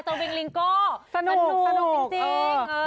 สวิงลิงก็สนุกสนุกจริง